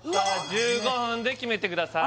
１５分で決めてください